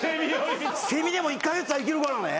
セミでも１カ月は生きるからね。